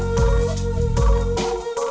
tete aku mau